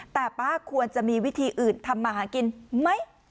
แต่ป้าควรจะมีวิธีอื่นทำมาหากินไหม